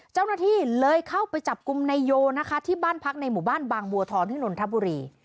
เจ้าหน้าที่เลยเข้าไปจับกลุ่มนายโยนะคะที่บ้านพักในหมู่บ้านบางบัวทองที่นนทบุรี